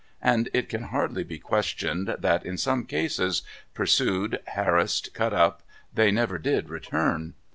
And it can hardly be questioned that, in some cases, pursued, harassed, cut up, they never did return.